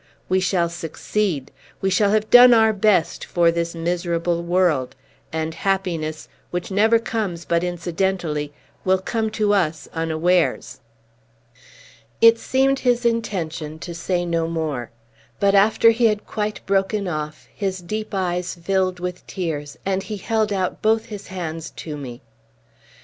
We shall succeed! We shall have done our best for this miserable world; and happiness (which never comes but incidentally) will come to us unawares." It seemed his intention to say no more. But, after he had quite broken off, his deep eyes filled with tears, and he held out both his hands to me.